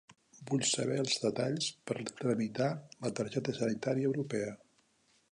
Vull saber els detalls per tramitar la targeta sanitaria europea.